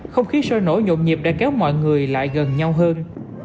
không khí sôi nổi nhộn nhịp đã kéo mọi người lại gần nhau hơn